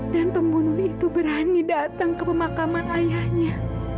dan pembunuh itu berani datang ke pemakaman ayahnya